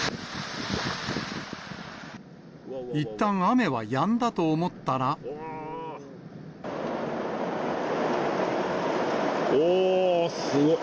いったん雨はやんだと思ったおー、すごい。